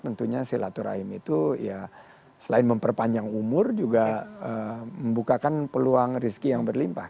tentunya silaturahim itu ya selain memperpanjang umur juga membukakan peluang rezeki yang berlimpah